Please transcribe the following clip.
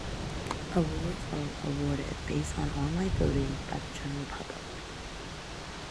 Awards are awarded based on online voting by the general public.